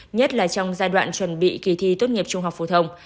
nhất là trong giai đoạn chuẩn bị kỳ thi tốt nghiệp trung học phổ thông